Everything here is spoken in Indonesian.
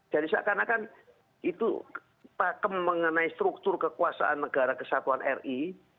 jadi seakan akan itu mengenai struktur kekuasaan negara kesatuan ri